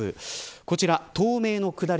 こちら、東名の下り